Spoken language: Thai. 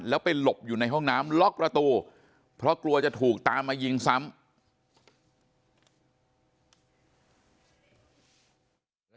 แล้วไปหลบอยู่ในห้องน้ำล็อกประตูเพราะกลัวจะถูกตามมายิงซ้ำ